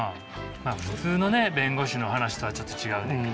まあ普通のね弁護士の話とはちょっと違うねんけどね。